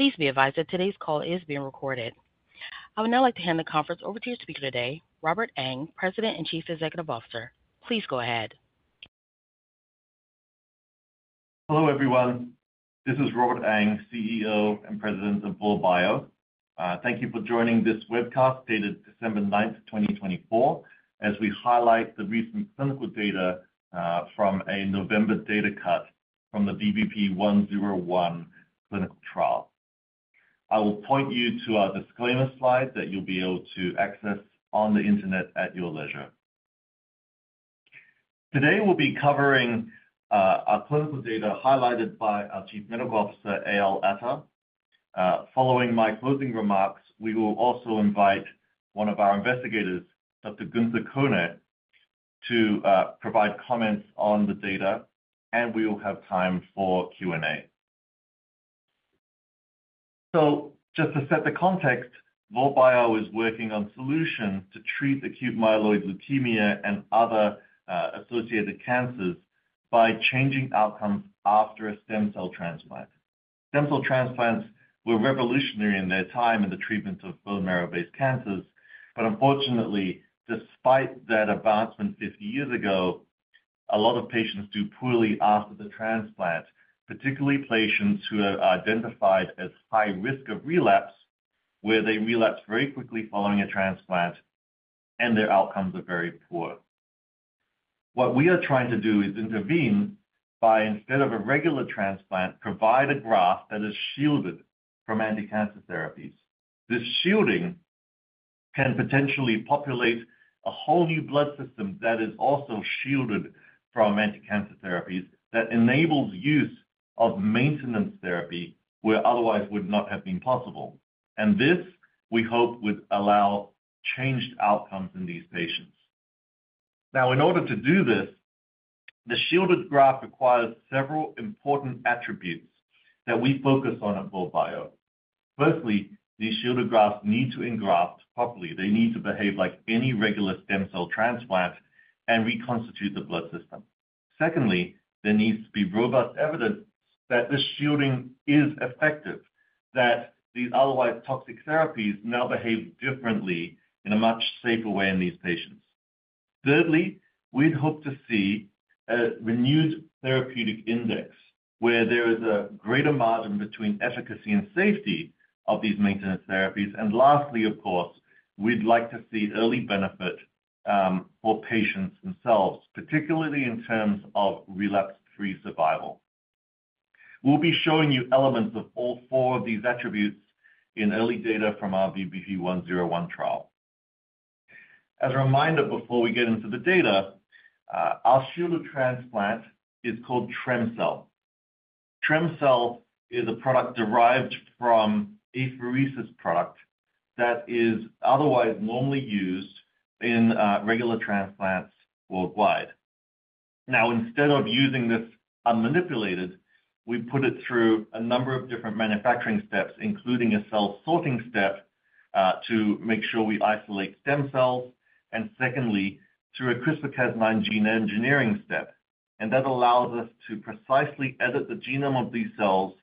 Please be advised that today's call is being recorded. I would now like to hand the conference over to your speaker today, Robert Ang, President and Chief Executive Officer. Please go ahead. Hello, everyone. This is Robert Ang, CEO and President of Vor Bio. Thank you for joining this webcast dated December 9th, 2024, as we highlight the recent clinical data from a November data cut from the VBP101 clinical trial. I will point you to our disclaimer slide that you'll be able to access on the internet at your leisure. Today, we'll be covering our clinical data highlighted by our Chief Medical Officer, Eyal Attar. Following my closing remarks, we will also invite one of our investigators, Dr. Guenther Koehne, to provide comments on the data, and we will have time for Q&A. So just to set the context, Vor Bio is working on solutions to treat acute myeloid leukemia and other associated cancers by changing outcomes after a stem cell transplant. Stem cell transplants were revolutionary in their time in the treatment of bone marrow-based cancers, but unfortunately, despite that advancement 50 years ago, a lot of patients do poorly after the transplant, particularly patients who are identified as high risk of relapse, where they relapse very quickly following a transplant, and their outcomes are very poor. What we are trying to do is intervene by, instead of a regular transplant, providing a graft that is shielded from anti-cancer therapies. This shielding can potentially populate a whole new blood system that is also shielded from anti-cancer therapies that enables use of maintenance therapy where otherwise would not have been possible. And this, we hope, would allow changed outcomes in these patients. Now, in order to do this, the shielded graft requires several important attributes that we focus on at Vor Bio. Firstly, these shielded grafts need to engraft properly. They need to behave like any regular stem cell transplant and reconstitute the blood system. Secondly, there needs to be robust evidence that this shielding is effective, that these otherwise toxic therapies now behave differently in a much safer way in these patients. Thirdly, we'd hope to see a renewed therapeutic index where there is a greater margin between efficacy and safety of these maintenance therapies. And lastly, of course, we'd like to see early benefit for patients themselves, particularly in terms of relapse-free survival. We'll be showing you elements of all four of these attributes in early data from our VBP101 trial. As a reminder, before we get into the data, our shielded transplant is called trem-cel. trem-cel is a product derived from apheresis product that is otherwise normally used in regular transplants worldwide. Now, instead of using this unmanipulated, we put it through a number of different manufacturing steps, including a cell sorting step to make sure we isolate stem cells and, secondly, through a CRISPR-Cas9 gene engineering step. And that allows us to precisely edit the genome of these cells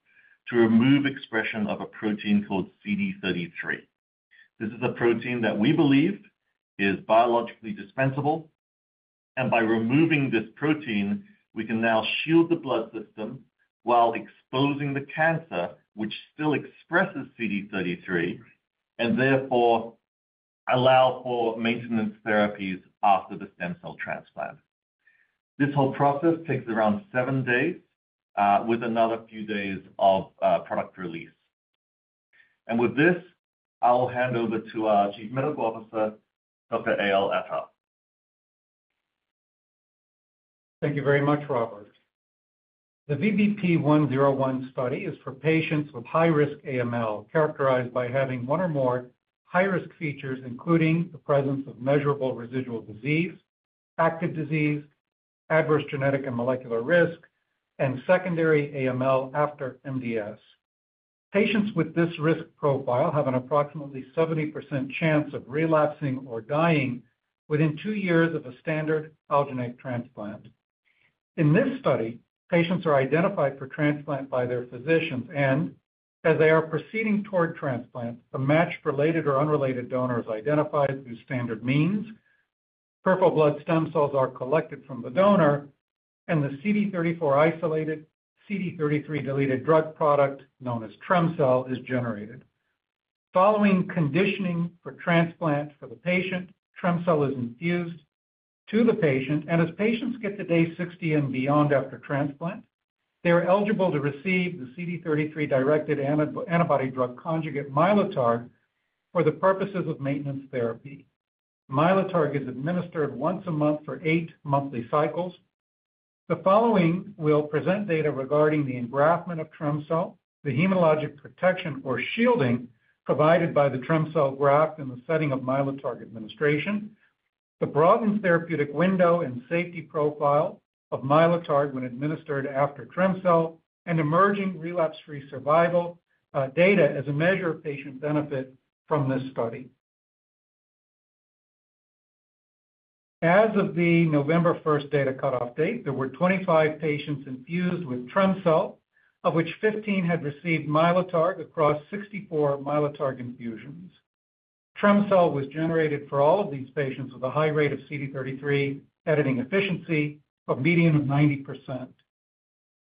to remove expression of a protein called CD33. This is a protein that we believe is biologically dispensable. And by removing this protein, we can now shield the blood system while exposing the cancer, which still expresses CD33, and therefore allow for maintenance therapies after the stem cell transplant. This whole process takes around seven days, with another few days of product release. And with this, I'll hand over to our Chief Medical Officer, Dr. Eyal Attar. Thank you very much, Robert. The VBP101 study is for patients with high-risk AML characterized by having one or more high-risk features, including the presence of measurable residual disease, active disease, adverse genetic and molecular risk, and secondary AML after MDS. Patients with this risk profile have an approximately 70% chance of relapsing or dying within two years of a standard allogeneic transplant. In this study, patients are identified for transplant by their physicians, and as they are proceeding toward transplant, a match for related or unrelated donor is identified through standard means. Peripheral blood stem cells are collected from the donor, and the CD34-isolated, CD33-deleted drug product known as trem-cel is generated. Following conditioning for transplant for the patient, trem-cel is infused to the patient, and as patients get to day 60 and beyond after transplant, they are eligible to receive the CD33-directed antibody drug conjugate Mylotarg for the purposes of maintenance therapy. Mylotarg is administered once a month for eight monthly cycles. The following will present data regarding the engraftment of trem-cel, the hematologic protection or shielding provided by the trem-cel graft in the setting of Mylotarg administration, the broadened therapeutic window and safety profile of Mylotarg when administered after trem-cel, and emerging relapse-free survival data as a measure of patient benefit from this study. As of the November 1st data cutoff date, there were 25 patients infused with trem-cel, of which 15 had received Mylotarg across 64 Mylotarg infusions. trem-cel was generated for all of these patients with a high rate of CD33 editing efficiency of a median of 90%.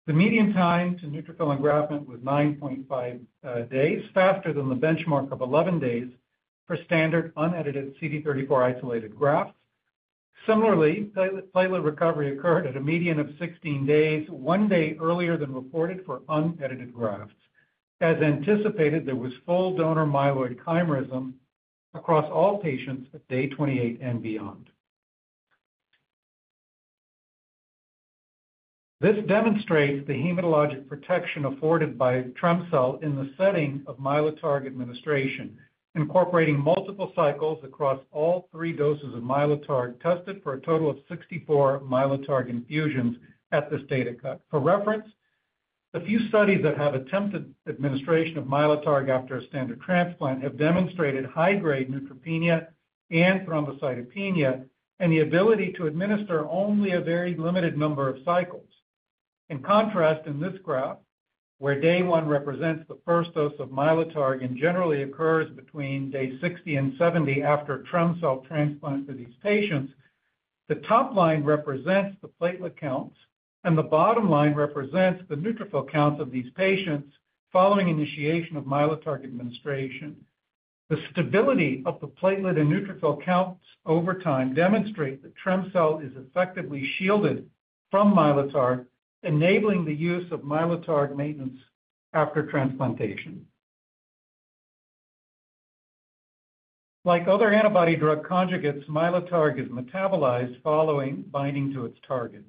The median time to neutrophil engraftment was 9.5 days, faster than the benchmark of 11 days for standard unedited CD34-isolated grafts. Similarly, platelet recovery occurred at a median of 16 days, one day earlier than reported for unedited grafts. As anticipated, there was full donor myeloid chimerism across all patients at day 28 and beyond. This demonstrates the hematologic protection afforded by trem-cel in the setting of Mylotarg administration, incorporating multiple cycles across all three doses of Mylotarg tested for a total of 64 Mylotarg infusions at this data cut. For reference, the few studies that have attempted administration of Mylotarg after a standard transplant have demonstrated high-grade neutropenia and thrombocytopenia and the ability to administer only a very limited number of cycles. In contrast, in this graph, where day one represents the first dose of Mylotarg and generally occurs between day 60 and 70 after trem-cel transplant for these patients, the top line represents the platelet counts, and the bottom line represents the neutrophil counts of these patients following initiation of Mylotarg administration. The stability of the platelet and neutrophil counts over time demonstrates that trem-cel is effectively shielded from Mylotarg, enabling the use of Mylotarg maintenance after transplantation. Like other antibody drug conjugates, Mylotarg is metabolized following binding to its target.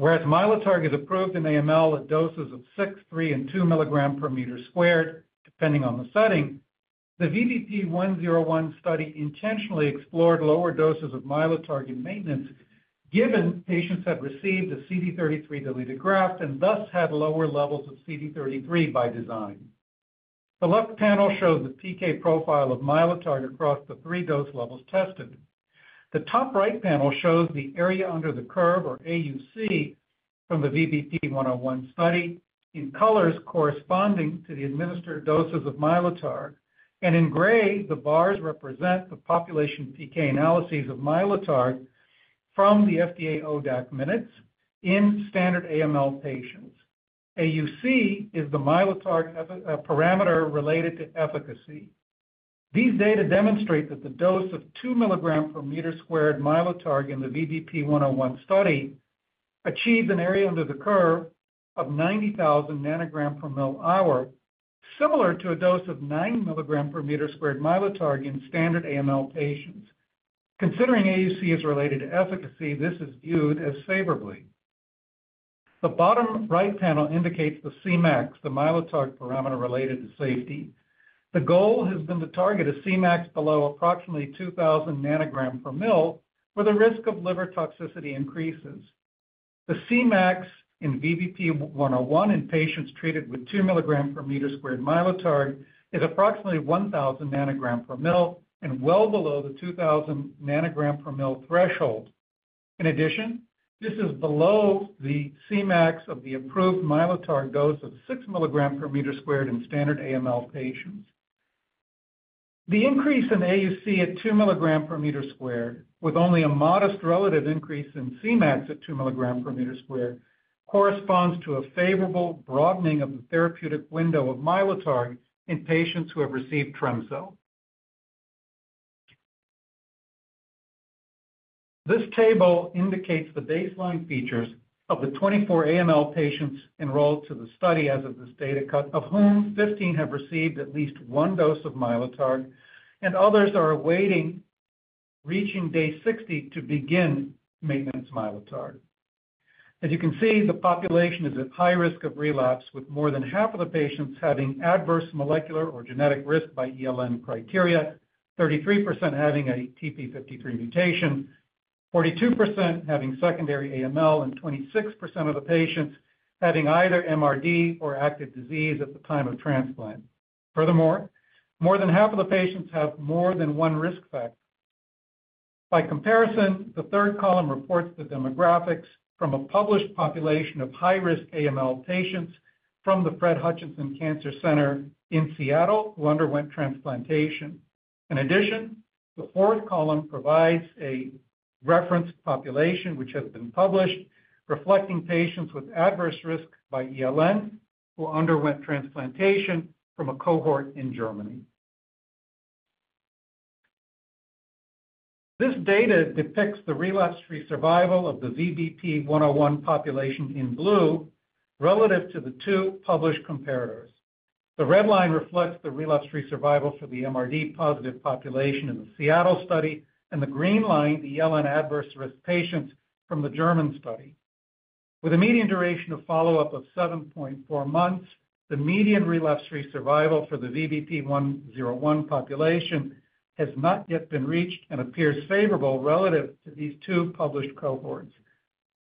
Whereas Mylotarg is approved in AML at doses of six, three, and 2 mg/m², depending on the setting, the VBP101 study intentionally explored lower doses of Mylotarg in maintenance, given patients had received a CD33-deleted graft and thus had lower levels of CD33 by design. The left panel shows the PK profile of Mylotarg across the three dose levels tested. The top right panel shows the area under the curve, or AUC, from the VBP101 study in colors corresponding to the administered doses of Mylotarg, and in gray, the bars represent the population PK analyses of Mylotarg from the FDA ODAC minutes in standard AML patients. AUC is the Mylotarg parameter related to efficacy. These data demonstrate that the dose of 2 mg/m² Mylotarg in the VBP101 study achieves an area under the curve of 90,000 ng/ml, similar to a dose of 9 mg/m² Mylotarg in standard AML patients. Considering AUC is related to efficacy, this is viewed as favorably. The bottom right panel indicates the Cmax, the Mylotarg parameter related to safety. The goal has been to target a Cmax below approximately 2,000 ng/ml, where the risk of liver toxicity increases. The Cmax in VBP101 in patients treated with 2 mg/m² Mylotarg is approximately 1,000 ng/ml and well below the 2,000 ng/ml threshold. In addition, this is below the Cmax of the approved Mylotarg dose of 6 mg/m² in standard AML patients. The increase in AUC at 2 mg/m², with only a modest relative increase in Cmax at 2 mg/m², corresponds to a favorable broadening of the therapeutic window of Mylotarg in patients who have received trem-cel. This table indicates the baseline features of the 24 AML patients enrolled to the study as of this data cut, of whom 15 have received at least one dose of Mylotarg, and others are awaiting reaching day 60 to begin maintenance Mylotarg. As you can see, the population is at high risk of relapse, with more than half of the patients having adverse molecular or genetic risk by ELN criteria, 33% having a TP53 mutation, 42% having secondary AML, and 26% of the patients having either MRD or active disease at the time of transplant. Furthermore, more than half of the patients have more than one risk factor. By comparison, the third column reports the demographics from a published population of high-risk AML patients from the Fred Hutchinson Cancer Center in Seattle who underwent transplantation. In addition, the fourth column provides a reference population, which has been published, reflecting patients with adverse risk by ELN who underwent transplantation from a cohort in Germany. This data depicts the relapse-free survival of the VBP101 population in blue relative to the two published comparators. The red line reflects the relapse-free survival for the MRD-positive population in the Seattle study, and the green line the ELN adverse risk patients from the German study. With a median duration of follow-up of 7.4 months, the median relapse-free survival for the VBP101 population has not yet been reached and appears favorable relative to these two published cohorts.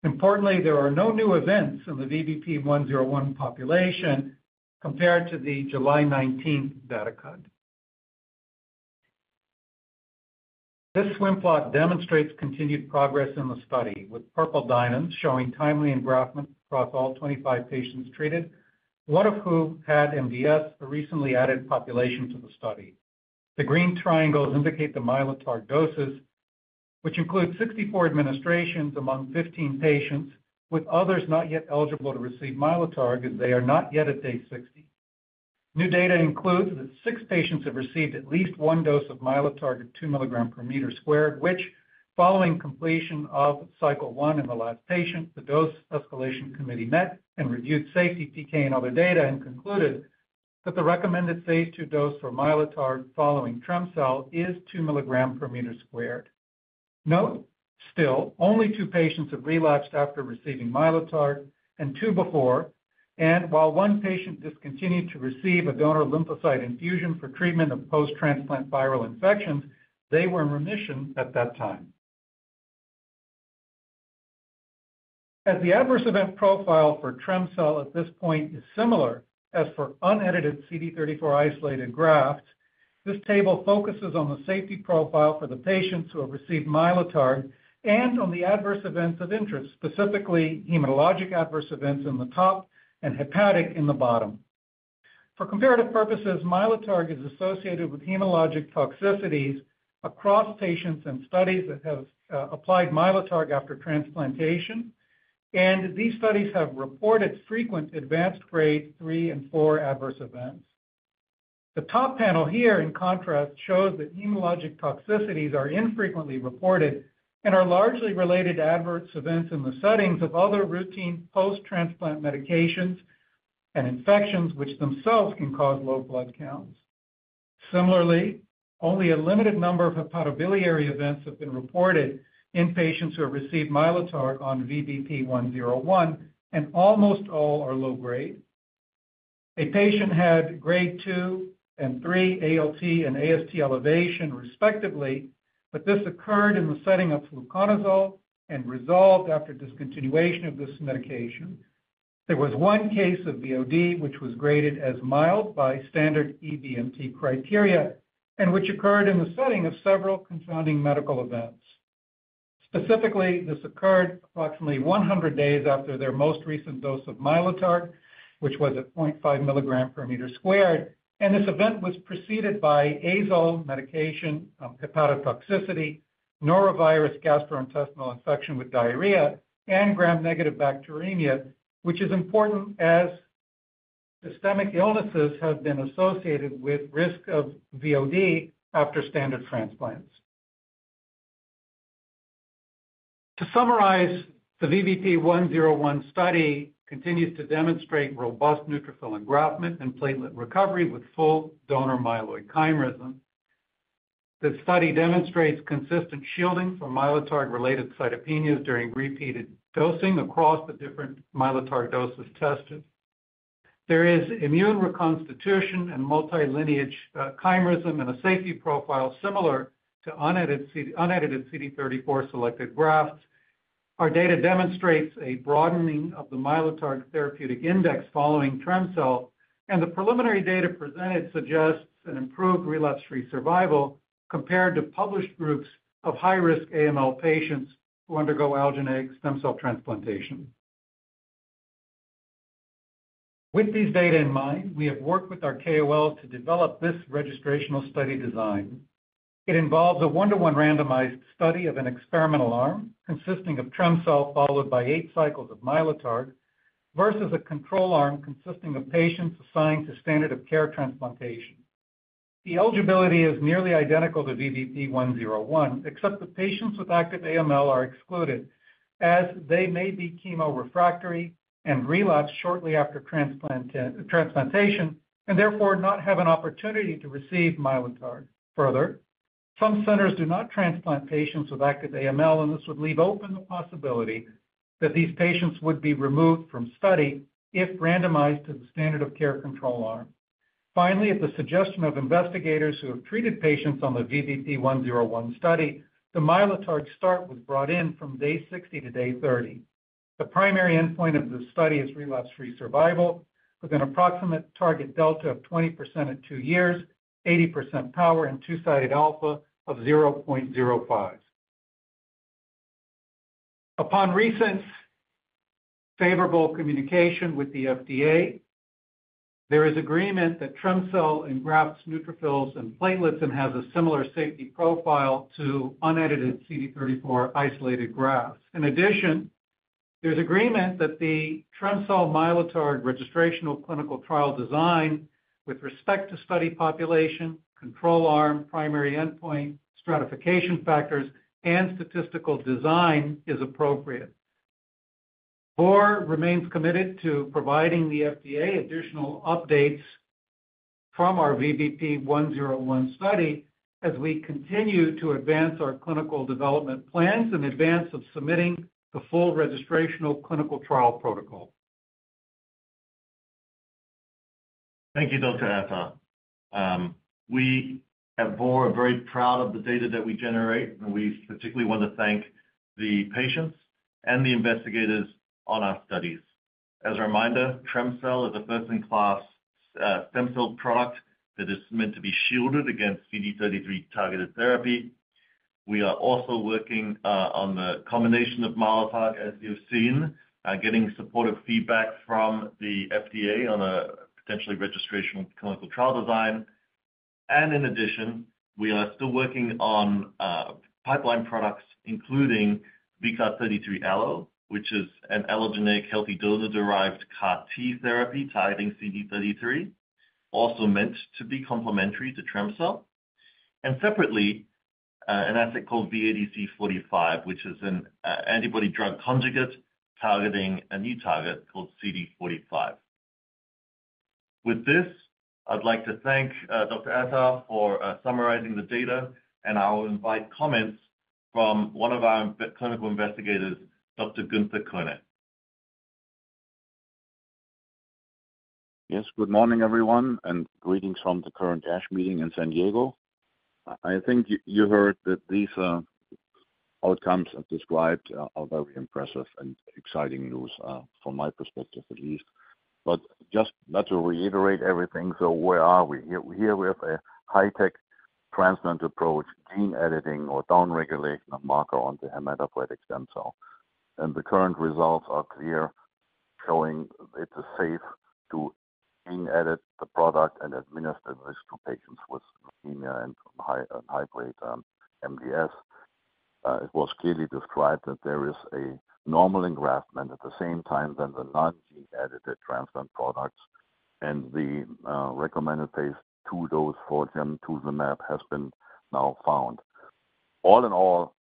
Importantly, there are no new events in the VBP101 population compared to the July 19th data cut. This swim plot demonstrates continued progress in the study, with purple diamonds showing timely engraftment across all 25 patients treated, one of whom had MDS, a recently added population to the study. The green triangles indicate the Mylotarg doses, which include 64 administrations among 15 patients, with others not yet eligible to receive Mylotarg as they are not yet at day 60. New data includes that six patients have received at least one dose of Mylotarg at 2 mg/m², which, following completion of cycle one in the last patient, the dose escalation committee met and reviewed safety, PK, and other data, and concluded that the recommended phase II dose for Mylotarg following trem-cel is 2 mg/m². Note still, only two patients have relapsed after receiving Mylotarg and two before, and while one patient discontinued to receive a donor lymphocyte infusion for treatment of post-transplant viral infections, they were in remission at that time. As the adverse event profile for trem-cel at this point is similar as for unedited CD34-isolated grafts, this table focuses on the safety profile for the patients who have received Mylotarg and on the adverse events of interest, specifically hematologic adverse events in the top and hepatic in the bottom. For comparative purposes, Mylotarg is associated with hematologic toxicities across patients and studies that have applied Mylotarg after transplantation, and these studies have reported frequent advanced grade three and four adverse events. The top panel here, in contrast, shows that hematologic toxicities are infrequently reported and are largely related to adverse events in the settings of other routine post-transplant medications and infections, which themselves can cause low blood counts. Similarly, only a limited number of hepatobiliary events have been reported in patients who have received Mylotarg on VBP101, and almost all are low grade. A patient had grade two and three ALT and AST elevation, respectively, but this occurred in the setting of fluconazole and resolved after discontinuation of this medication. There was one case of VOD, which was graded as mild by standard EBMT criteria, and which occurred in the setting of several confounding medical events. Specifically, this occurred approximately 100 days after their most recent dose of Mylotarg, which was at 0.5 mg/m², and this event was preceded by azole medication hepatotoxicity, norovirus gastrointestinal infection with diarrhea, and gram-negative bacteremia, which is important as systemic illnesses have been associated with risk of VOD after standard transplants. To summarize, the VBP101 study continues to demonstrate robust neutrophil engraftment and platelet recovery with full donor myeloid chimerism. The study demonstrates consistent shielding from Mylotarg-related cytopenias during repeated dosing across the different Mylotarg doses tested. There is immune reconstitution and multilineage chimerism in a safety profile similar to unedited CD34-selected grafts. Our data demonstrates a broadening of the Mylotarg therapeutic index following trem-cel, and the preliminary data presented suggests an improved relapse-free survival compared to published groups of high-risk AML patients who undergo allogeneic stem cell transplantation. With these data in mind, we have worked with our KOL to develop this registrational study design. It involves a one-to-one randomized study of an experimental arm consisting of trem-cel followed by eight cycles of Mylotarg versus a control arm consisting of patients assigned to standard of care transplantation. The eligibility is nearly identical to VBP101, except the patients with active AML are excluded, as they may be chemorefractory and relapse shortly after transplantation and therefore not have an opportunity to receive Mylotarg. Further, some centers do not transplant patients with active AML, and this would leave open the possibility that these patients would be removed from study if randomized to the standard of care control arm. Finally, at the suggestion of investigators who have treated patients on the VBP101 study, the Mylotarg start was brought in from day 60-day 30. The primary endpoint of the study is relapse-free survival with an approximate target delta of 20% at two years, 80% power, and two-sided alpha of 0.05. Upon recent favorable communication with the FDA, there is agreement that trem-cel engrafts neutrophils and platelets and has a similar safety profile to unedited CD34-isolated grafts. In addition, there's agreement that the trem-cel Mylotarg registrational clinical trial design with respect to study population, control arm, primary endpoint, stratification factors, and statistical design is appropriate. Vor Bio remains committed to providing the FDA additional updates from our VBP101 study as we continue to advance our clinical development plans in advance of submitting the full registrational clinical trial protocol. Thank you, Dr. Attar. We at Vor Bio are very proud of the data that we generate, and we particularly want to thank the patients and the investigators on our studies. As a reminder, trem-cel is a first-in-class stem cell product that is meant to be shielded against CD33-targeted therapy. We are also working on the combination of Mylotarg, as you've seen, getting supportive feedback from the FDA on a potentially registrational clinical trial design. In addition, we are still working on pipeline products, including VCAR33 Allo, which is an allogeneic healthy donor-derived CAR-T therapy targeting CD33, also meant to be complementary to trem-cel. And separately, an ADC called VADC45, which is an antibody-drug conjugate targeting a new target called CD45. With this, I'd like to thank Dr. Attar for summarizing the data, and I'll invite comments from one of our clinical investigators, Dr. Guenther Koehne. Yes, good morning, everyone, and greetings from the current ASH Meeting in San Diego. I think you heard that these outcomes I've described are very impressive and exciting news from my perspective at least. But just to reiterate everything, so where are we? Here we have a high-tech transplant approach, gene editing or downregulation of marker on the hematopoietic stem cell. And the current results are clear, showing it's safe to gene edit the product and administer this to patients with leukemia and high-grade MDS. It was clearly described that there is a normal engraftment at the same time than the non-gene-edited transplant products, and the recommended phase II dose for gemtuzumab has been now found. All in all,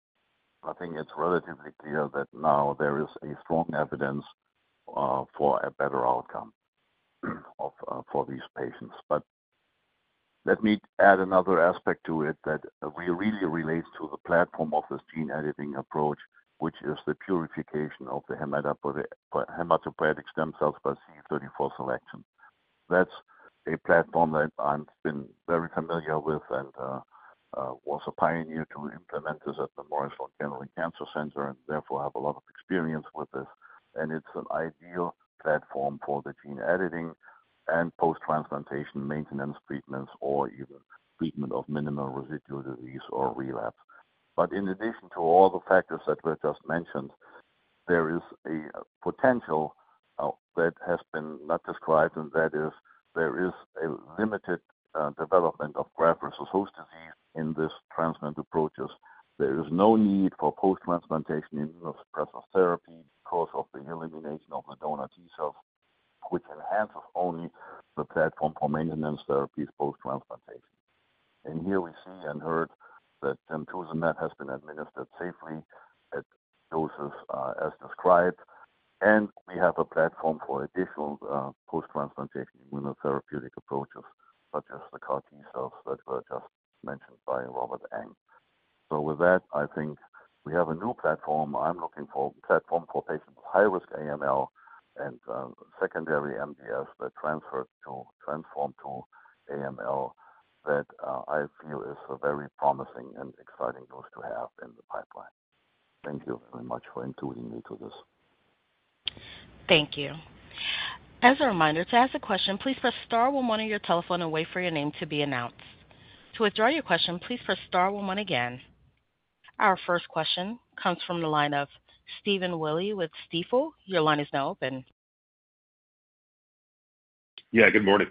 I think it's relatively clear that now there is strong evidence for a better outcome for these patients. But let me add another aspect to it that really relates to the platform of this gene editing approach, which is the purification of the hematopoietic stem cells by CD34 selection. That's a platform that I've been very familiar with and was a pioneer to implement this at the Memorial Sloan Kettering Cancer Center and therefore have a lot of experience with this. And it's an ideal platform for the gene editing and post-transplantation maintenance treatments or even treatment of minimal residual disease or relapse. But in addition to all the factors that were just mentioned, there is a potential that has been not described, and that is there is a limited development of graft versus host disease in these transplant approaches. There is no need for post-transplantation immunosuppressive therapy because of the elimination of the donor T cells, which enhances only the platform for maintenance therapies post-transplantation. Here we see and heard that gemtuzumab has been administered safely at doses as described, and we have a platform for additional post-transplantation immunotherapeutic approaches such as the CAR-T cells that were just mentioned by Robert Ang. With that, I think we have a new platform. I'm looking for a platform for patients with high-risk AML and secondary MDS that transfer to transform to AML that I feel is a very promising and exciting dose to have in the pipeline. Thank you very much for including me to this. Thank you. As a reminder, to ask a question, please press star one one on your telephone and wait for your name to be announced. To withdraw your question, please press star one one again. Our first question comes from the line of Stephen Willey with Stifel. Your line is now open. Yeah, good morning.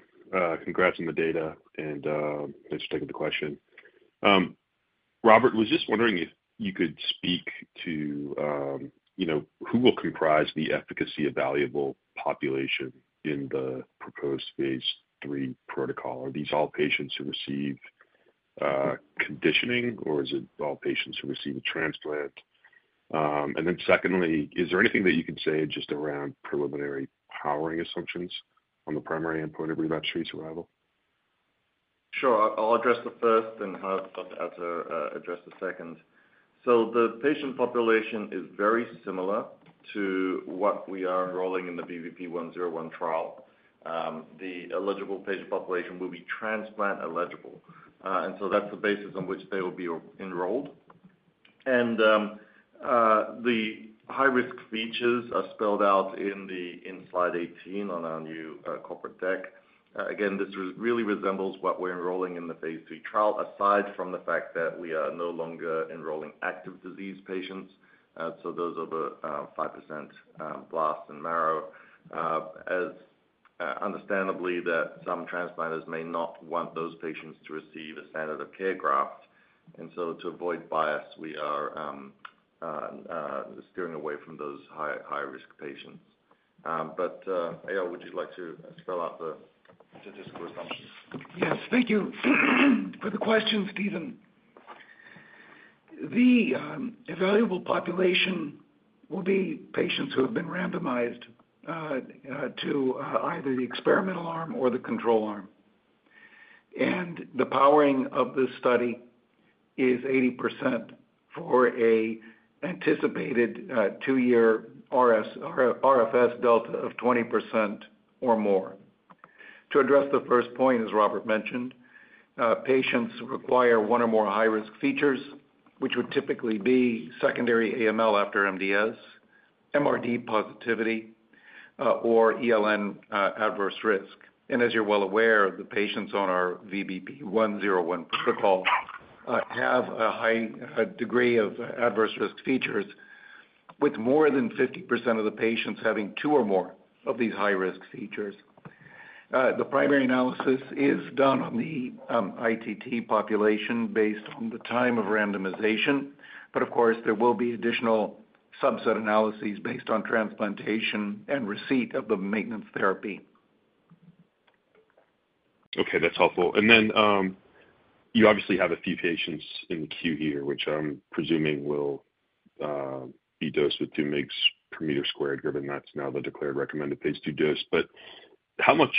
Congrats on the data, and thanks for taking the question. Robert, I was just wondering if you could speak to who will comprise the efficacy-evaluable population in the proposed phase III protocol? Are these all patients who receive conditioning, or is it all patients who receive a transplant? And then secondly, is there anything that you can say just around preliminary powering assumptions on the primary endpoint of relapse-free survival? Sure. I'll address the first, and I'll have Dr. Attar address the second. So the patient population is very similar to what we are enrolling in the VBP101 trial. The eligible patient population will be transplant eligible, and so that's the basis on which they will be enrolled. And the high-risk features are spelled out in slide 18 on our new corporate deck. Again, this really resembles what we're enrolling in the phase III trial, aside from the fact that we are no longer enrolling active disease patients, so those of a 5% blast and marrow. Understandably, some transplanters may not want those patients to receive a standard of care graft. And so to avoid bias, we are steering away from those high-risk patients. But Eyal, would you like to spell out the statistical assumptions? Yes, thank you for the question, Stephen. The evaluable population will be patients who have been randomized to either the experimental arm or the control arm. And the powering of this study is 80% for an anticipated two-year RFS delta of 20% or more. To address the first point, as Robert mentioned, patients require one or more high-risk features, which would typically be secondary AML after MDS, MRD positivity, or ELN adverse risk. As you're well aware, the patients on our VBP101 protocol have a high degree of adverse risk features, with more than 50% of the patients having two or more of these high-risk features. The primary analysis is done on the ITT population based on the time of randomization, but of course, there will be additional subset analyses based on transplantation and receipt of the maintenance therapy. Okay, that's helpful. Then you obviously have a few patients in queue here, which I'm presuming will be dosed with 2 mg/m² given. That's now the declared recommended phase II dose. But how much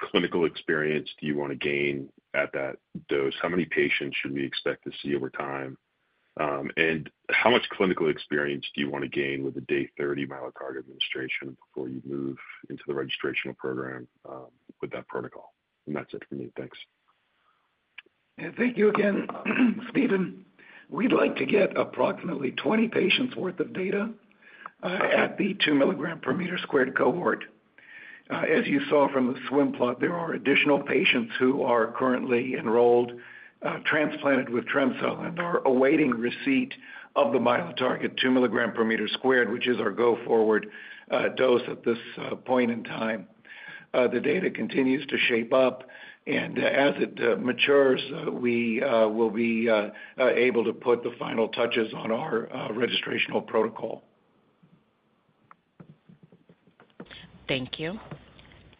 clinical experience do you want to gain at that dose? How many patients should we expect to see over time? And how much clinical experience do you want to gain with a day 30 Mylotarg administration before you move into the registrational program with that protocol? And that's it for me. Thanks. Thank you again, Stephen. We'd like to get approximately 20 patients' worth of data at the 2 mg/m² cohort. As you saw from the swim plot, there are additional patients who are currently enrolled, transplanted with trem-cel, and are awaiting receipt of the Mylotarg at 2 mg/m², which is our go-forward dose at this point in time. The data continues to shape up, and as it matures, we will be able to put the final touches on our registrational protocol. Thank you.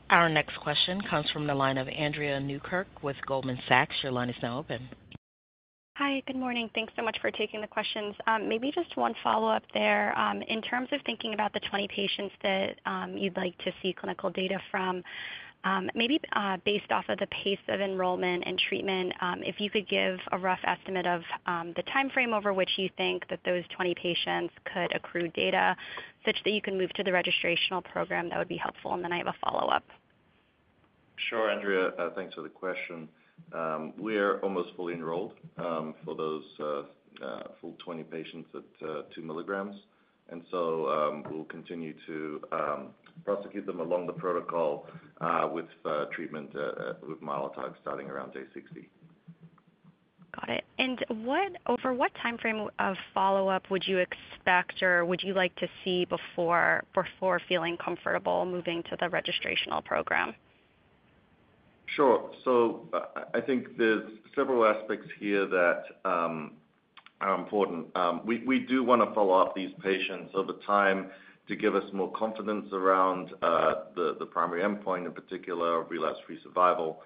Our next question comes from the line of Andrea Newkirk with Goldman Sachs. Your line is now open. Hi, good morning. Thanks so much for taking the questions. Maybe just one follow-up there. In terms of thinking about the 20 patients that you'd like to see clinical data from, maybe based off of the pace of enrollment and treatment, if you could give a rough estimate of the timeframe over which you think that those 20 patients could accrue data such that you can move to the registrational program, that would be helpful, and then I have a follow-up. Sure, Andrea. Thanks for the question. We are almost fully enrolled for those full 20 patients at 2 mg, and so we'll continue to prosecute them along the protocol with treatment with Mylotarg starting around day 60. Got it, and over what timeframe of follow-up would you expect or would you like to see before feeling comfortable moving to the registrational program? Sure. So, I think there's several aspects here that are important. We do want to follow up these patients over time to give us more confidence around the primary endpoint, in particular, relapse-free survival.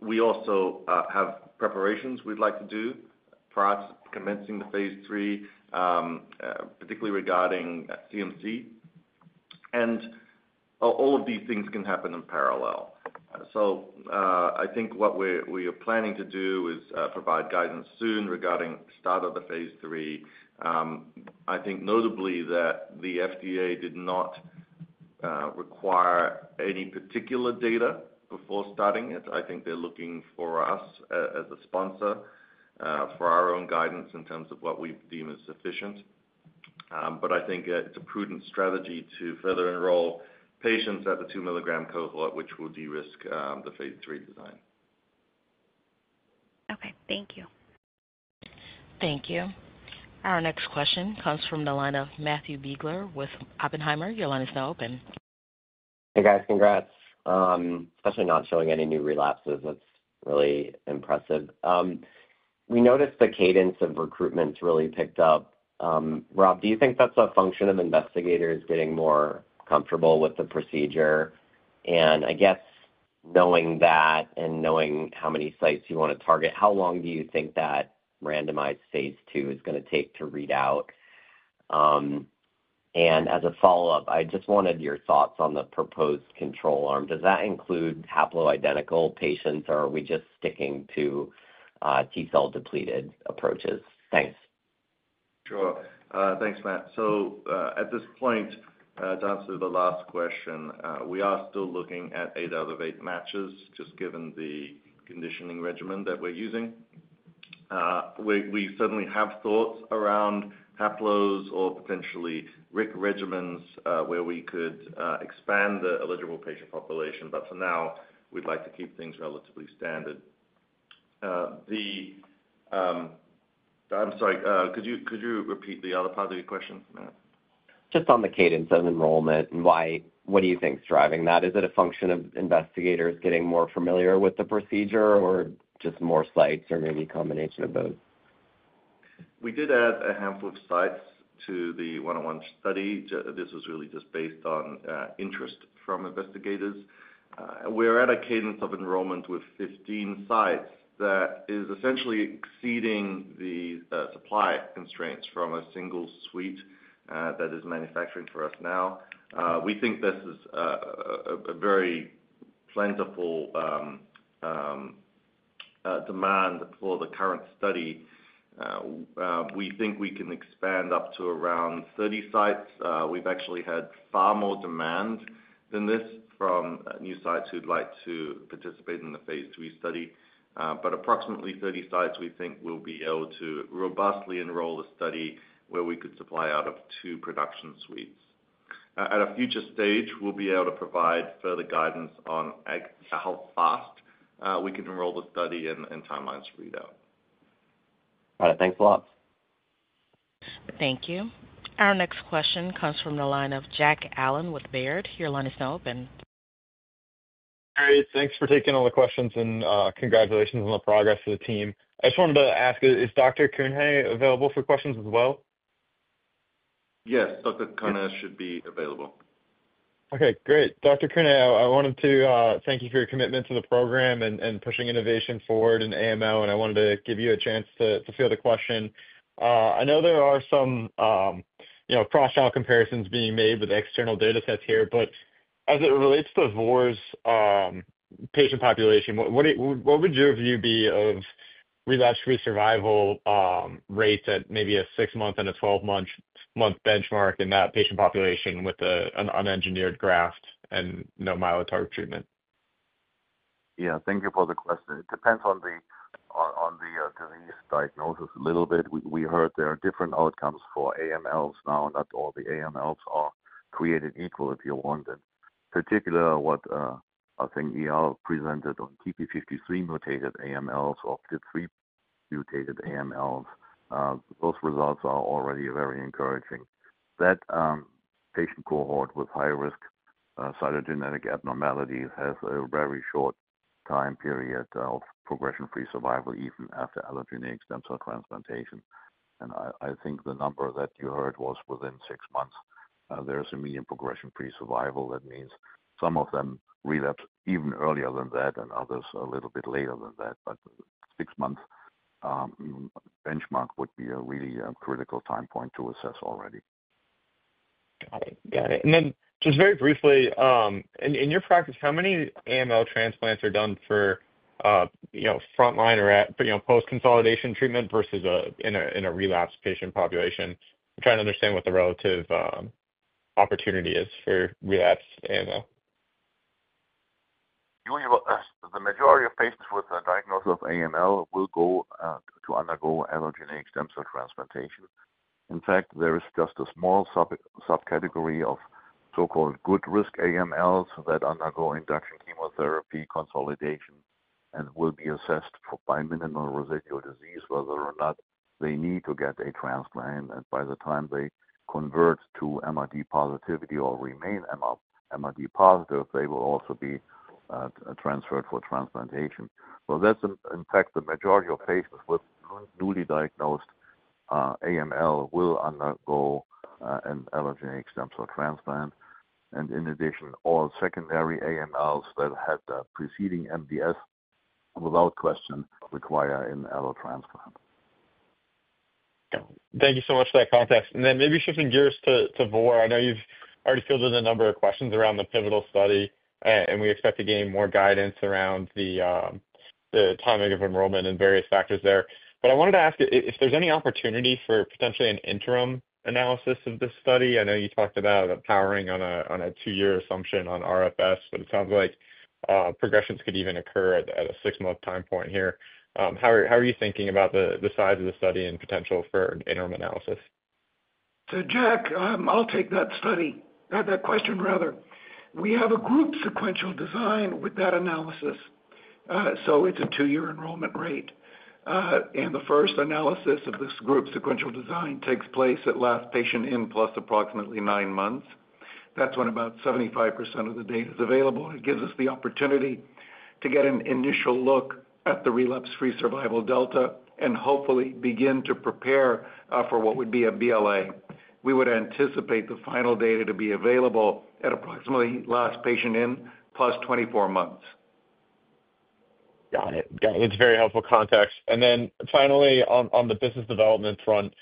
We also have preparations we'd like to do prior to commencing the phase III, particularly regarding CMC. And all of these things can happen in parallel. So I think what we are planning to do is provide guidance soon regarding the start of the phase III. I think notably that the FDA did not require any particular data before starting it. I think they're looking for us as a sponsor for our own guidance in terms of what we deem as sufficient. But I think it's a prudent strategy to further enroll patients at the 2-mg cohort, which will de-risk the phase III design. Okay, thank you. Thank you. Our next question comes from the line of Matt Biegler with Oppenheimer. Your line is now open. Hey guys, congrats. Especially not showing any new relapses. That's really impressive. We noticed the cadence of recruitment's really picked up. Rob, do you think that's a function of investigators getting more comfortable with the procedure? And I guess knowing that and knowing how many sites you want to target, how long do you think that randomized phase II is going to take to read out? And as a follow-up, I just wanted your thoughts on the proposed control arm. Does that include haploidentical patients, or are we just sticking to T cell depleted approaches? Thanks. Sure. Thanks, Matt. So at this point, to answer the last question, we are still looking at eight out of eight matches just given the conditioning regimen that we're using. We certainly have thoughts around haplo or potentially RIC regimens where we could expand the eligible patient population, but for now, we'd like to keep things relatively standard. I'm sorry, could you repeat the other part of your question, Matt? Just on the cadence of enrollment and what do you think's driving that? Is it a function of investigators getting more familiar with the procedure or just more sites or maybe a combination of both? We did add a handful of sites to the VBP101 study. This was really just based on interest from investigators. We're at a cadence of enrollment with 15 sites that is essentially exceeding the supply constraints from a single suite that is manufacturing for us now. We think this is a very plentiful demand for the current study. We think we can expand up to around 30 sites. We've actually had far more demand than this from new sites who'd like to participate in the phase II study. But approximately 30 sites, we think, will be able to robustly enroll the study where we could supply out of two production suites. At a future stage, we'll be able to provide further guidance on how fast we can enroll the study and timelines to read out. All right, thanks a lot. Thank you. Our next question comes from the line of Jack Allen with Baird. Your line is now open. Hey, thanks for taking all the questions and congratulations on the progress of the team. I just wanted to ask, is Dr. Guenther Koehne available for questions as well? Yes, Dr. Guenther Koehne should be available. Okay, great. Dr. Koehne, I wanted to thank you for your commitment to the program and pushing innovation forward in AML, and I wanted to give you a chance to field a question. I know there are some cross-cohort comparisons being made with external datasets here, but as it relates to VOR's patient population, what would your view be of relapse-free survival rates at maybe a six-month and a 12-month benchmark in that patient population with an unengineered graft and no Mylotarg treatment? Yeah, thank you for the question. It depends on the disease diagnosis a little bit. We heard there are different outcomes for AMLs now, and not all the AMLs are created equal if you wanted. Particularly what I think Eyal presented on TP53 mutated AMLs or TP53 mutated AMLs, those results are already very encouraging. That patient cohort with high-risk cytogenetic abnormalities has a very short time period of progression-free survival even after allogeneic stem cell transplantation, and I think the number that you heard was within six months. There's a median progression-free survival that means some of them relapse even earlier than that and others a little bit later than that, but six-month benchmark would be a really critical time point to assess already. Got it. Got it, and then just very briefly, in your practice, how many AML transplants are done for frontline or post-consolidation treatment versus in a relapsed patient population? I'm trying to understand what the relative opportunity is for relapsed AML. The majority of patients with a diagnosis of AML will go to undergo allogeneic stem cell transplantation. In fact, there is just a small subcategory of so-called good-risk AMLs that undergo induction chemotherapy consolidation and will be assessed by minimal residual disease whether or not they need to get a transplant. And by the time they convert to MRD positivity or remain MRD positive, they will also be transferred for transplantation. So that's, in fact, the majority of patients with newly diagnosed AML will undergo an allogeneic stem cell transplant. And in addition, all secondary AMLs that had preceding MDS, without question, require an allotransplant. Thank you so much for that context. And then maybe shifting gears to VOR, I know you've already fielded a number of questions around the pivotal study, and we expect to gain more guidance around the timing of enrollment and various factors there. But I wanted to ask if there's any opportunity for potentially an interim analysis of this study. I know you talked about powering on a two-year assumption on RFS, but it sounds like progressions could even occur at a six-month time point here. How are you thinking about the size of the study and potential for interim analysis? So Jack, I'll take that study. That question, rather. We have a group sequential design with that analysis. So it's a two-year enrollment rate. And the first analysis of this group sequential design takes place at last patient in plus approximately nine months. That's when about 75% of the data is available. It gives us the opportunity to get an initial look at the relapse-free survival delta and hopefully begin to prepare for what would be a BLA. We would anticipate the final data to be available at approximately last patient in +24 months. Got it. Got it. It's very helpful context. And then finally, on the business development front,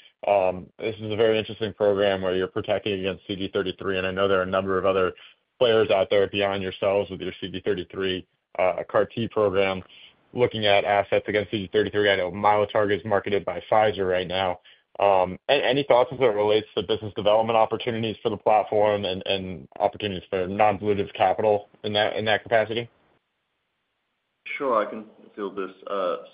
this is a very interesting program where you're protecting against CD33. And I know there are a number of other players out there beyond yourselves with your CD33 CAR-T program looking at assets against CD33. I know Mylotarg is marketed by Pfizer right now. Any thoughts as it relates to business development opportunities for the platform and opportunities for non-dilutive capital in that capacity? Sure, I can field this.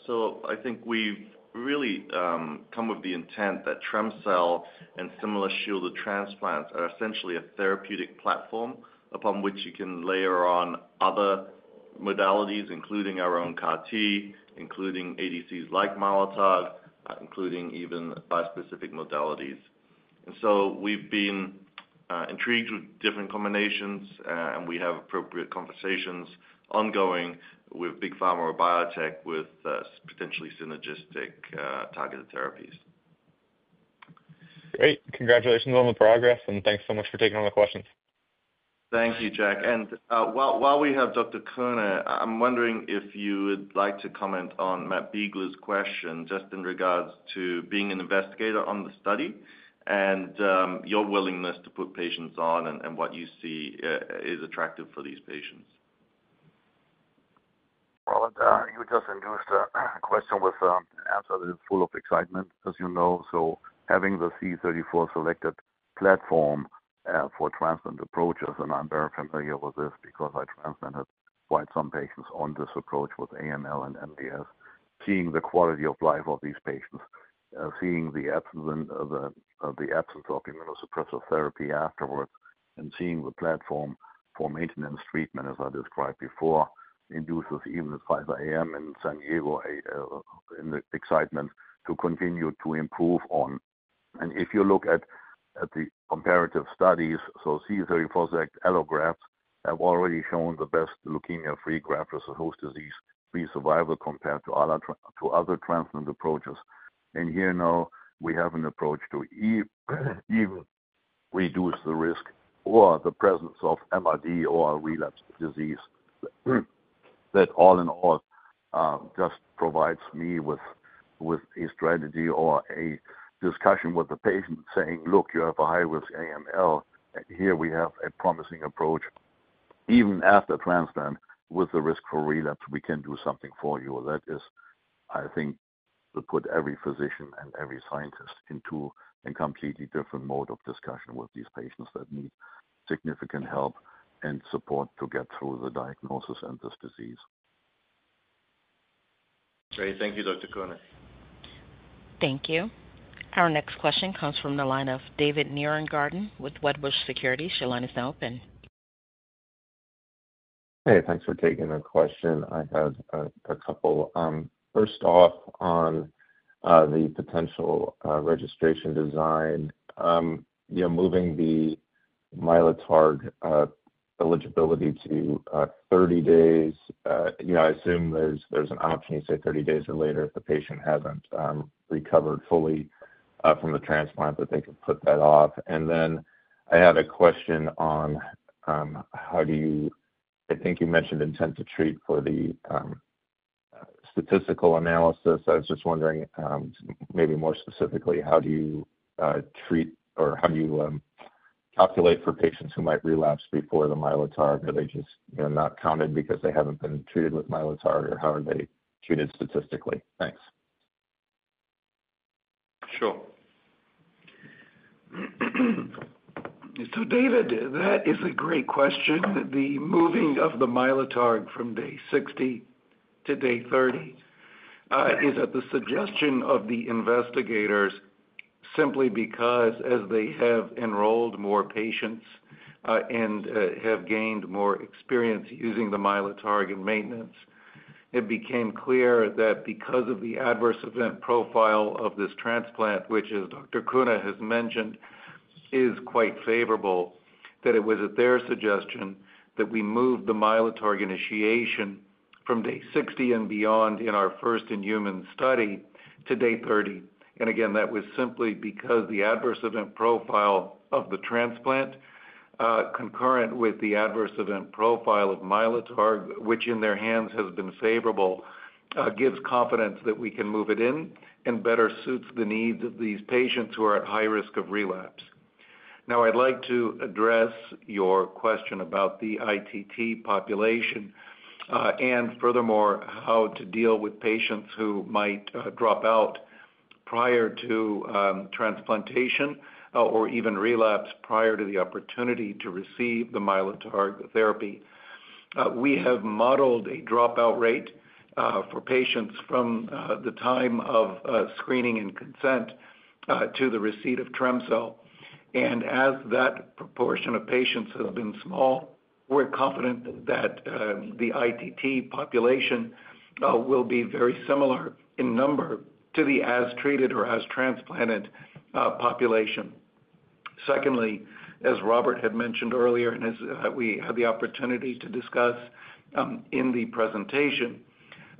So I think we've really come with the intent that trem-cel and similar shielded transplants are essentially a therapeutic platform upon which you can layer on other modalities, including our own CAR-T, including ADCs like Mylotarg, including even bispecific modalities. And so we've been intrigued with different combinations, and we have appropriate conversations ongoing with Big Pharma or Biotech with potentially synergistic targeted therapies. Great. Congratulations on the progress, and thanks so much for taking all the questions. Thank you, Jack. And while we have Dr. Guenther Koehne, I'm wondering if you would like to comment on Matt Biegler's question just in regards to being an investigator on the study and your willingness to put patients on and what you see is attractive for these patients. Well, you just induced a question with an answer that is full of excitement, as you know. So having the CD34 selected platform for transplant approaches, and I'm very familiar with this because I transplanted quite some patients on this approach with AML and MDS, seeing the quality of life of these patients, seeing the absence of immunosuppressive therapy afterwards, and seeing the platform for maintenance treatment, as I described before, induces even post-ASH in San Diego the excitement to continue to improve on. If you look at the comparative studies, so CD34 select allografts have already shown the best leukemia-free graft versus host disease-free survival compared to other transplant approaches. And here now we have an approach to even reduce the risk or the presence of MRD or relapse disease that all in all just provides me with a strategy or a discussion with the patient saying, "Look, you have a high-risk AML, and here we have a promising approach. Even after transplant with the risk for relapse, we can do something for you." That is, I think, would put every physician and every scientist into a completely different mode of discussion with these patients that need significant help and support to get through the diagnosis and this disease. Great. Thank you, Dr. Guenther Koehne. Thank you. Our next question comes from the line of David Nierengarten with Wedbush Securities. Your line is now open. Hey, thanks for taking the question. I had a couple. First off, on the potential registration design, moving the Mylotarg eligibility to 30 days, I assume there's an option you say 30 days or later if the patient hasn't recovered fully from the transplant that they could put that off. And then I had a question on how do you, I think you mentioned intent to treat for the statistical analysis. I was just wondering maybe more specifically, how do you treat or how do you calculate for patients who might relapse before the Mylotarg? Are they just not counted because they haven't been treated with Mylotarg, or how are they treated statistically? Thanks. Sure. So David, that is a great question. The moving of the Mylotarg from day 60-day 30 is at the suggestion of the investigators simply because as they have enrolled more patients and have gained more experience using the Mylotarg in maintenance, it became clear that because of the adverse event profile of this transplant, which, as Dr. Guenther Koehne has mentioned, is quite favorable, that it was at their suggestion that we moved the Mylotarg initiation from day 60 and beyond in our first-in-human study to day 30. And again, that was simply because the adverse event profile of the transplant concurrent with the adverse event profile of Mylotarg, which in their hands has been favorable, gives confidence that we can move it in and better suits the needs of these patients who are at high risk of relapse. Now, I'd like to address your question about the ITT population and furthermore how to deal with patients who might drop out prior to transplantation or even relapse prior to the opportunity to receive the Mylotarg therapy. We have modeled a dropout rate for patients from the time of screening and consent to the receipt of trem-cel. And as that proportion of patients has been small, we're confident that the ITT population will be very similar in number to the as-treated or as-transplanted population. Secondly, as Robert had mentioned earlier, and as we had the opportunity to discuss in the presentation,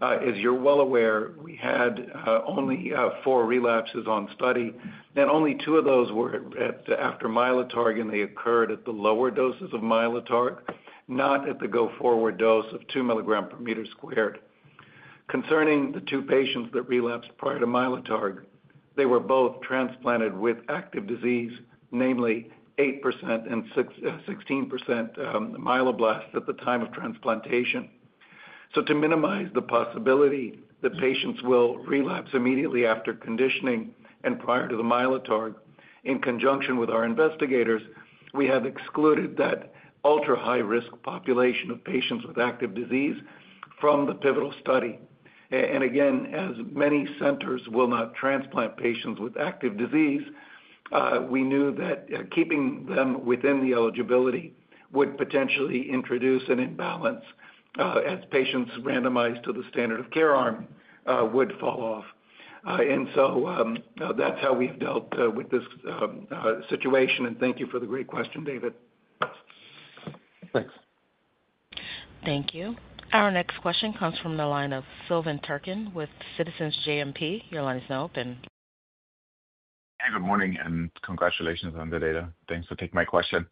as you're well aware, we had only four relapses on study, and only two of those were after Mylotarg, and they occurred at the lower doses of Mylotarg, not at the go-forward dose of 2 mg/m². Concerning the two patients that relapsed prior to Mylotarg, they were both transplanted with active disease, namely 8% and 16% myeloblasts at the time of transplantation. To minimize the possibility that patients will relapse immediately after conditioning and prior to the Mylotarg, in conjunction with our investigators, we have excluded that ultra-high-risk population of patients with active disease from the pivotal study. Again, as many centers will not transplant patients with active disease, we knew that keeping them within the eligibility would potentially introduce an imbalance as patients randomized to the standard of care arm would fall off. So that's how we've dealt with this situation. Thank you for the great question, David. Thanks. Thank you. Our next question comes from the line of Silvan Türkcan with Citizens JMP. Your line is now open. Hey, good morning, and congratulations on the data. Thanks for taking my question.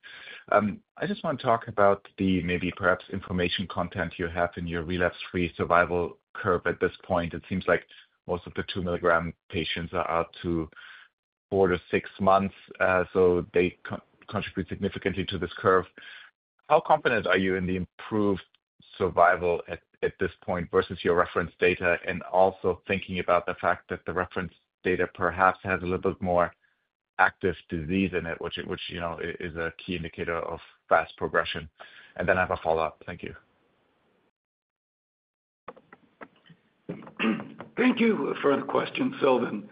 I just want to talk about the maybe perhaps information content you have in your relapse-free survival curve at this point. It seems like most of the two-milligram patients are out to four to six months, so they contribute significantly to this curve. How confident are you in the improved survival at this point versus your reference data and also thinking about the fact that the reference data perhaps has a little bit more active disease in it, which is a key indicator of fast progression? And then I have a follow-up. Thank you. Thank you for the question, Silvan.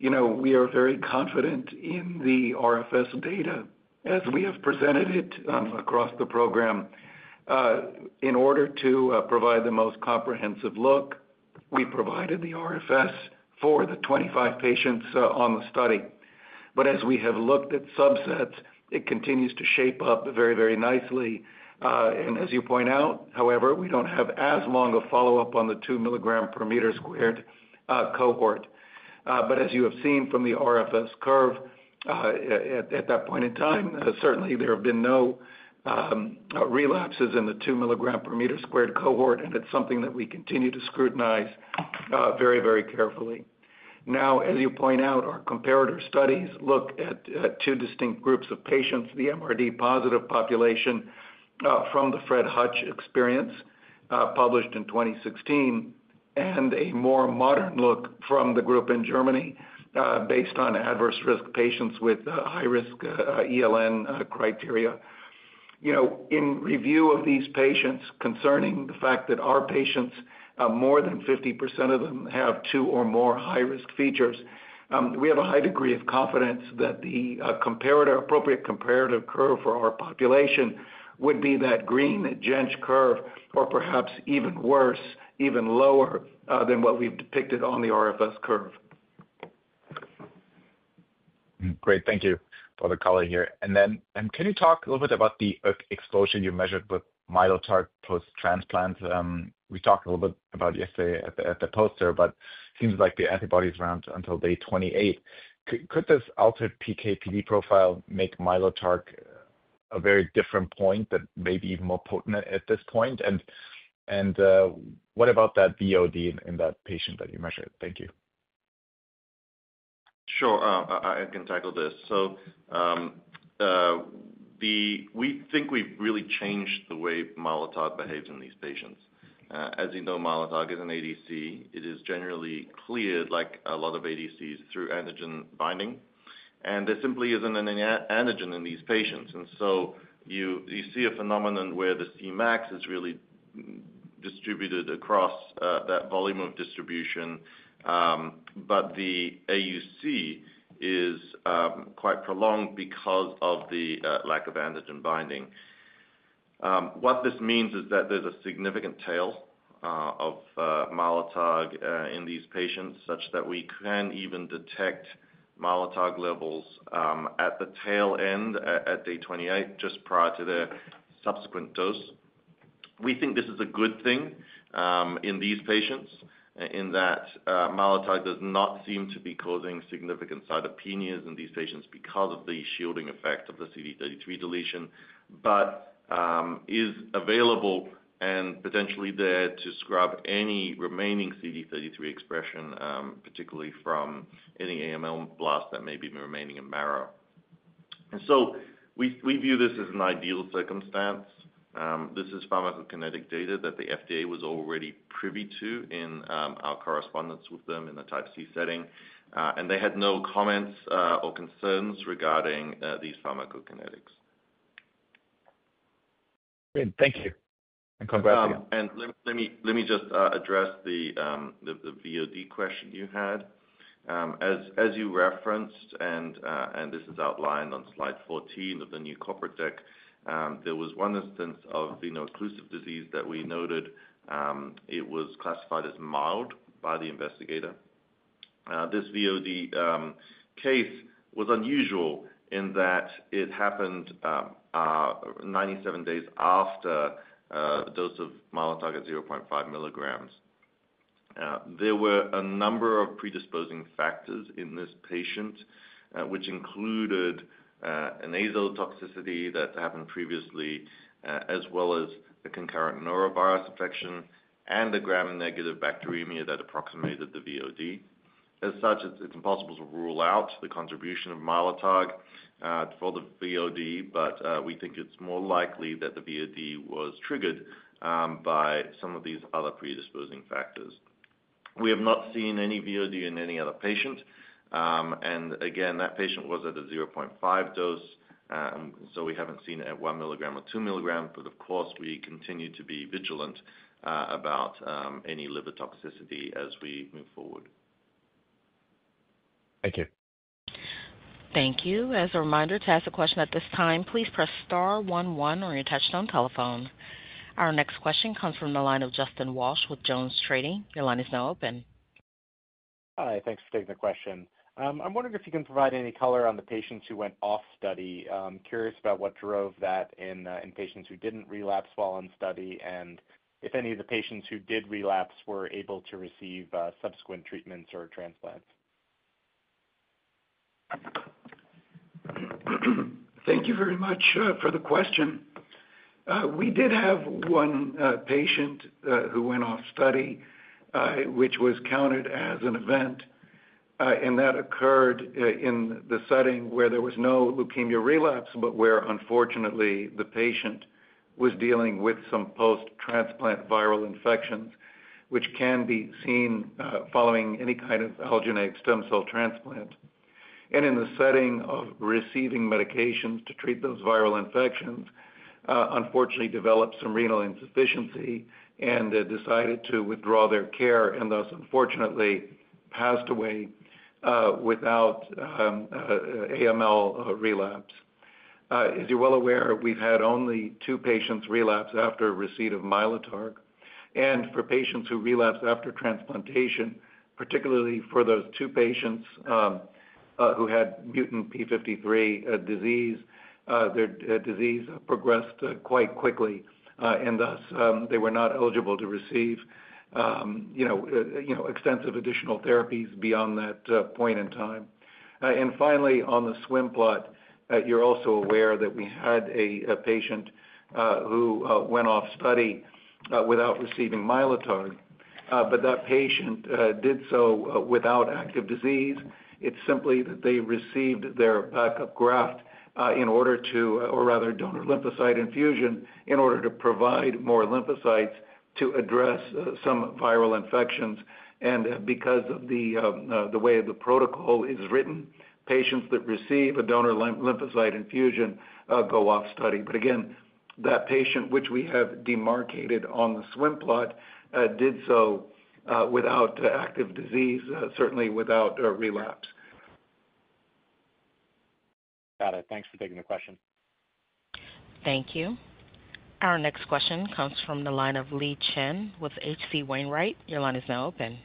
We are very confident in the RFS data as we have presented it across the program. In order to provide the most comprehensive look, we provided the RFS for the 25 patients on the study. But as we have looked at subsets, it continues to shape up very, very nicely. And as you point out, however, we don't have as long a follow-up on the 2-mg/m² cohort. But as you have seen from the RFS curve, at that point in time, certainly there have been no relapses in the 2-mg/m² cohort, and it's something that we continue to scrutinize very, very carefully. Now, as you point out, our comparator studies look at two distinct groups of patients, the MRD positive population from the Fred Hutch experience published in 2016, and a more modern look from the group in Germany based on adverse risk patients with high-risk ELN criteria. In review of these patients, concerning the fact that our patients, more than 50% of them have two or more high-risk features, we have a high degree of confidence that the appropriate comparative curve for our population would be that green EBMT curve, or perhaps even worse, even lower than what we've depicted on the RFS curve. Great. Thank you. The first caller here. And then can you talk a little bit about the exposure you measured with Mylotarg post-transplant? We talked a little bit about the PK at the poster, but it seems like the antibody is around until day 28. Could this altered PK/PD profile make Mylotarg a very different point that may be even more potent at this point? And what about that VOD in that patient that you measured? Thank you. Sure. I can tackle this. We think we've really changed the way Mylotarg behaves in these patients. As you know, Mylotarg is an ADC. It is generally cleared like a lot of ADCs through antigen binding, and there simply isn't an antigen in these patients. And so you see a phenomenon where the Cmax is really distributed across that volume of distribution, but the AUC is quite prolonged because of the lack of antigen binding. What this means is that there's a significant tail of Mylotarg in these patients such that we can even detect Mylotarg levels at the tail end at day 28 just prior to the subsequent dose. We think this is a good thing in these patients in that Mylotarg does not seem to be causing significant cytopenias in these patients because of the shielding effect of the CD33 deletion, but is available and potentially there to scrub any remaining CD33 expression, particularly from any AML blast that may be remaining in marrow, and so we view this as an ideal circumstance. This is pharmacokinetic data that the FDA was already privy to in our correspondence with them in the type C setting, and they had no comments or concerns regarding these pharmacokinetics. Great. Thank you, and congratulations. Let me just address the VOD question you had. As you referenced, and this is outlined on slide 14 of the new corporate deck, there was one instance of the veno-occlusive disease that we noted. It was classified as mild by the investigator. This VOD case was unusual in that it happened 97 days after the dose of Mylotarg at 0.5 mg. There were a number of predisposing factors in this patient, which included azole toxicity that happened previously, as well as a concurrent norovirus infection and a gram-negative bacteremia that approximated the VOD. As such, it's impossible to rule out the contribution of Mylotarg for the VOD, but we think it's more likely that the VOD was triggered by some of these other predisposing factors. We have not seen any VOD in any other patient, and again, that patient was at a 0.5 dose, so we haven't seen it at 1 mg or 2 mg, but of course, we continue to be vigilant about any liver toxicity as we move forward. Thank you. Thank you. As a reminder, to ask a question at this time, please press star one one or your touch-tone telephone. Our next question comes from the line of Justin Walsh with JonesTrading. Your line is now open. Hi. Thanks for taking the question. I'm wondering if you can provide any color on the patients who went off study. I'm curious about what drove that in patients who didn't relapse while on study and if any of the patients who did relapse were able to receive subsequent treatments or transplants. Thank you very much for the question. We did have one patient who went off study, which was counted as an event, and that occurred in the setting where there was no leukemia relapse, but where unfortunately the patient was dealing with some post-transplant viral infections, which can be seen following any kind of allogeneic stem cell transplant. And in the setting of receiving medications to treat those viral infections, unfortunately developed some renal insufficiency and decided to withdraw their care and thus unfortunately passed away without AML relapse. As you're well aware, we've had only two patients relapse after receipt of Mylotarg. And for patients who relapsed after transplantation, particularly for those two patients who had mutant TP53 disease, their disease progressed quite quickly, and thus they were not eligible to receive extensive additional therapies beyond that point in time. And finally, on the swim plot, you're also aware that we had a patient who went off study without receiving Mylotarg, but that patient did so without active disease. It's simply that they received their backup graft in order to, or rather donor lymphocyte infusion in order to provide more lymphocytes to address some viral infections. Because of the way the protocol is written, patients that receive a donor lymphocyte infusion go off study. But again, that patient, which we have demarcated on the swim plot, did so without active disease, certainly without relapse. Got it. Thanks for taking the question. Thank you. Our next question comes from the line of Li Chen with H.C. Wainwright. Your line is now open.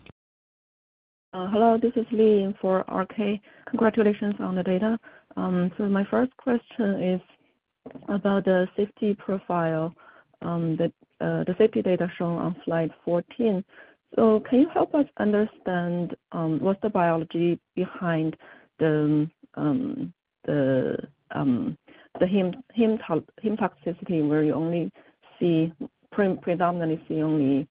Hello. This is Li for RK. Congratulations on the data. My first question is about the safety profile, the safety data shown on slide 14. Can you help us understand what's the biology behind the heme toxicity where you only predominantly see only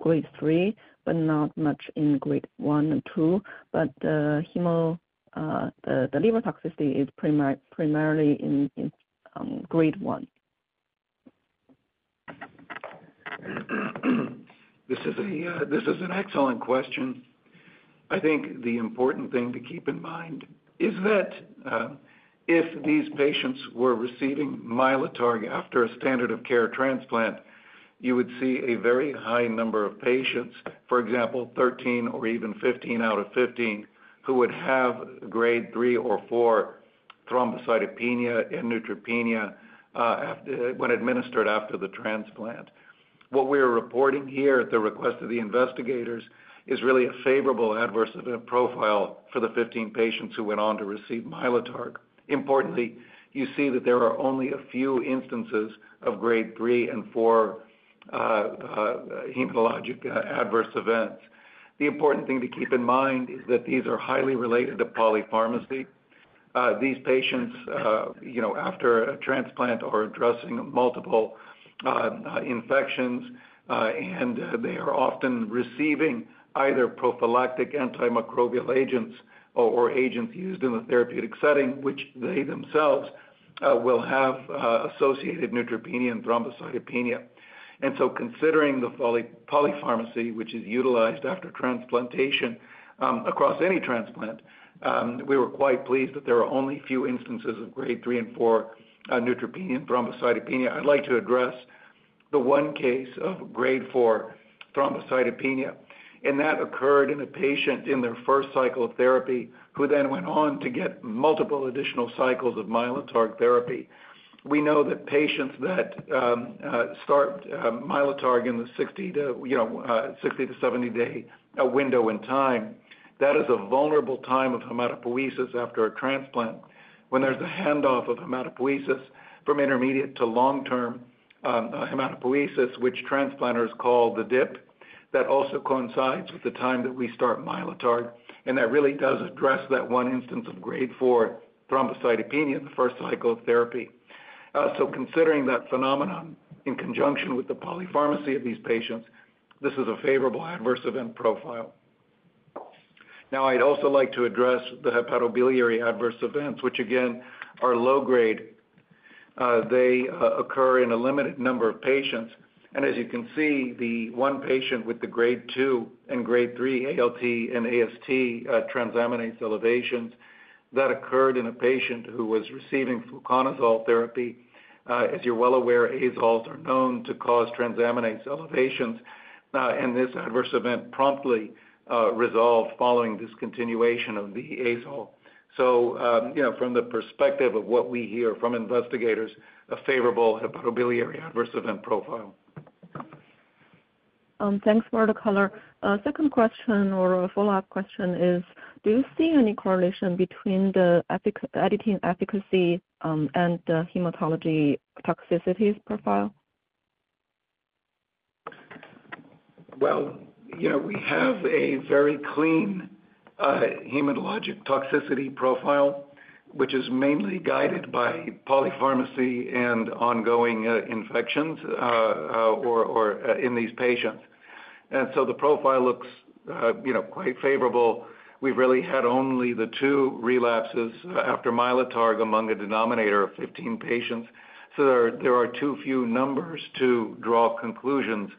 grade 3, but not much in grade 1 and 2, but the liver toxicity is primarily in grade 1? This is an excellent question. I think the important thing to keep in mind is that if these patients were receiving Mylotarg after a standard of care transplant, you would see a very high number of patients, for example, 13 or even 15 out of 15, who would have grade 3 or 4 thrombocytopenia and neutropenia when administered after the transplant. What we are reporting here at the request of the investigators is really a favorable adverse event profile for the 15 patients who went on to receive Mylotarg. Importantly, you see that there are only a few instances of grade 3 and 4 hematologic adverse events. The important thing to keep in mind is that these are highly related to polypharmacy. These patients, after a transplant or addressing multiple infections, and they are often receiving either prophylactic antimicrobial agents or agents used in the therapeutic setting, which they themselves will have associated neutropenia and thrombocytopenia. And so considering the polypharmacy, which is utilized after transplantation across any transplant, we were quite pleased that there are only few instances of grade 3 and 4 neutropenia and thrombocytopenia. I'd like to address the one case of grade 4 thrombocytopenia. And that occurred in a patient in their first cycle of therapy who then went on to get multiple additional cycles of Mylotarg therapy. We know that patients that start Mylotarg in the 60-70 day window in time, that is a vulnerable time of hematopoiesis after a transplant when there's a handoff of hematopoiesis from intermediate to long-term hematopoiesis, which transplanters call the dip. That also coincides with the time that we start Mylotarg, and that really does address that one instance of grade four thrombocytopenia in the first cycle of therapy. So considering that phenomenon in conjunction with the polypharmacy of these patients, this is a favorable adverse event profile. Now, I'd also like to address the hepatobiliary adverse events, which again are low-grade. They occur in a limited number of patients. And as you can see, the one patient with the grade two and grade three ALT and AST transaminase elevations that occurred in a patient who was receiving fluconazole therapy, as you're well aware, azoles are known to cause transaminase elevations, and this adverse event promptly resolved following discontinuation of the azole. So from the perspective of what we hear from investigators, a favorable hepatobiliary adverse event profile. Thanks. Next caller. Second question or follow-up question is, do you see any correlation between the editing efficacy and the hematology toxicities profile? Well, we have a very clean hematologic toxicity profile, which is mainly guided by polypharmacy and ongoing infections in these patients. And so the profile looks quite favorable. We've really had only the two relapses after Mylotarg among a denominator of 15 patients. So there are too few numbers to draw conclusions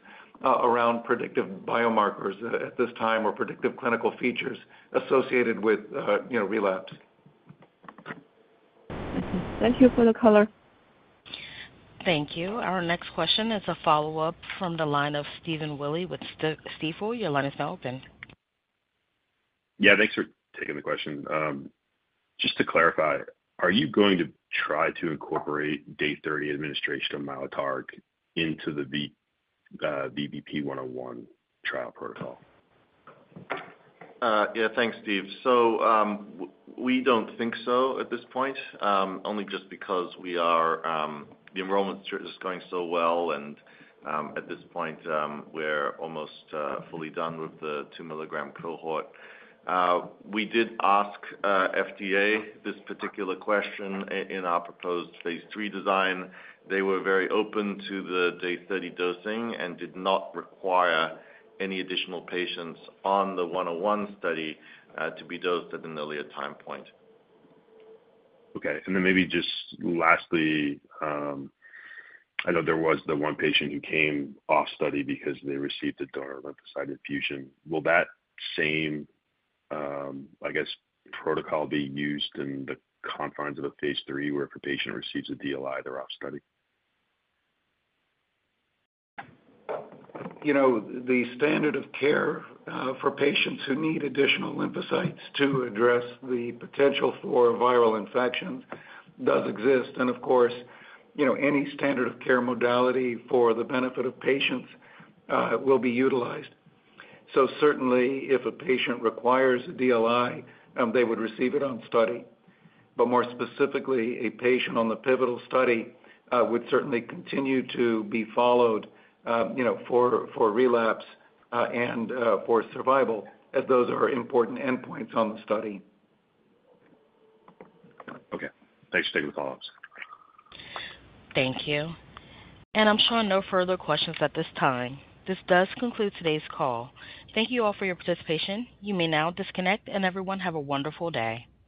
around predictive biomarkers at this time or predictive clinical features associated with relapse. Thank you for the color. Thank you. Our next question is a follow-up from the line of Stephen Willey with Stifel. Your line is now open. Yeah. Thanks for taking the question. Just to clarify, are you going to try to incorporate day 30 administration of Mylotarg into the VBP101 trial protocol? Yeah. Thanks, Steve. So we don't think so at this point, only just because the enrollment is going so well. And at this point, we're almost fully done with the 2-mg cohort. We did ask FDA this particular question in our proposed phase III design. They were very open to the day 30 dosing and did not require any additional patients on the VBP101 study to be dosed at an earlier time point. Okay. And then maybe just lastly, I know there was the one patient who came off study because they received a donor lymphocyte infusion. Will that same, I guess, protocol be used in the confines of a phase III where if a patient receives a DLI, they're off study? The standard of care for patients who need additional lymphocytes to address the potential for viral infections does exist. And of course, any standard of care modality for the benefit of patients will be utilized. So certainly, if a patient requires a DLI, they would receive it on study. But more specifically, a patient on the pivotal study would certainly continue to be followed for relapse and for survival as those are important endpoints on the study. Okay. Thanks for taking the follow-ups. Thank you. And I'm sure no further questions at this time. This does conclude today's call. Thank you all for your participation. You may now disconnect, and everyone have a wonderful day.